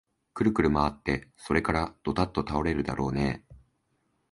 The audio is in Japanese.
くるくるまわって、それからどたっと倒れるだろうねえ